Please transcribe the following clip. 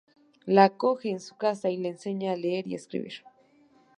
La acoge en su casa y le enseña a leer y escribir.